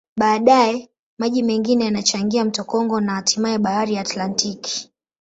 Baadaye, maji mengine yanachangia mto Kongo na hatimaye Bahari ya Atlantiki.